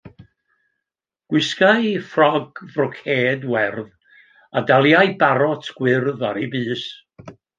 Gwisgai ffrog frocêd werdd a daliai barot gwyrdd ar ei bys.